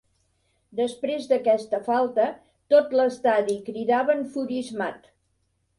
Després d'aquesta falta, tot l'estadi cridava enfurismat.